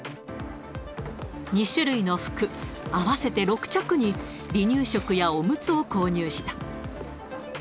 ２種類の服、合わせて６着に、離乳食やおむつを購入した。